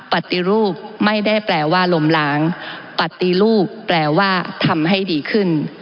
ปฏิรูปไม่ได้แปลว่าลมล้างปฏิรูปแปลว่าทำให้ดีขึ้น